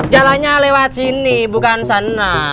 jalannya lewat sini bukan sana